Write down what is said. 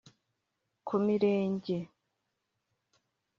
ku Mirenge